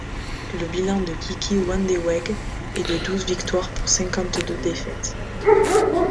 Le bilan de Kiki Vandeweghe est de douze victoires pour cinquante-deux défaites.